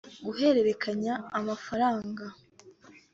guhererekanya amafaranga